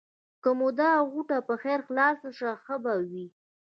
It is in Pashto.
که مو دا غوټه په خیر خلاصه شوه؛ ښه به وي.